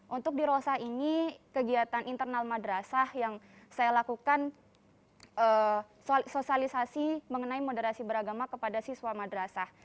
untuk di rosa ini kegiatan internal madrasah yang saya lakukan sosialisasi mengenai moderasi beragama kepada siswa madrasah